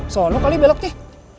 sona kali belok deh